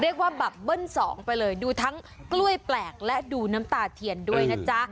เรียกว่าแบบเบิ้ลสองไปเลยดูทั้งกล้วยแปลกและดูน้ำตาเทียนด้วยนะจ๊ะ